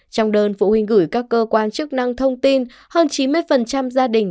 trong đơn phụ huynh gửi các cơ quan chức năng thông tin hơn chín mươi gia đình